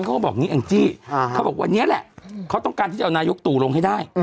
เขาบอกอย่างนี้แองจี้เขาบอกวันนี้แหละเขาต้องการที่จะเอานายกตู่ลงให้ได้